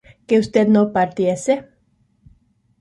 ¿que usted no partiese?